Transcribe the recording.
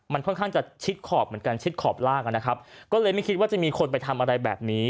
มันค่อนข้างจะชิดขอบเหมือนกันชิดขอบล่างนะครับก็เลยไม่คิดว่าจะมีคนไปทำอะไรแบบนี้